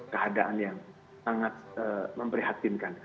keadaan yang sangat memprihatinkan